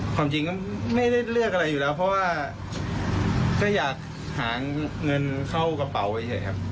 ความจริงก็ไม่ได้เลือกอะไรอยู่แล้วเพราะว่าก็อยากหาเงินเข้ากระเป๋าไปเฉยครับ